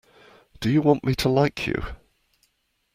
Do you want me to like you?